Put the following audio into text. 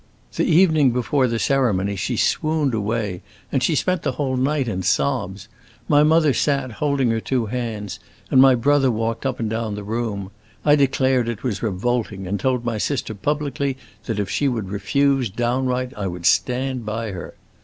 The evening before the ceremony she swooned away, and she spent the whole night in sobs. My mother sat holding her two hands, and my brother walked up and down the room. I declared it was revolting and told my sister publicly that if she would refuse, downright, I would stand by her.